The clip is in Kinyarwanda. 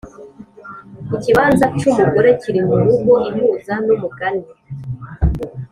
ikibanza c'umugore kiri murugo ihuza n'umugani